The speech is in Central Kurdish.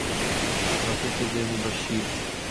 ڕەفیقی بێ موبەشیر